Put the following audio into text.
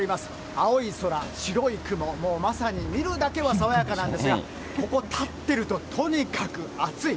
青い空、白い雲、もうまさに見るだけは爽やかなんですが、ここ立ってると、とにかく暑い。